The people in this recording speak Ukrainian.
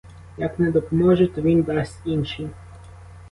Як не допоможе, то він дасть інший.